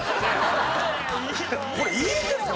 これいいんですか！？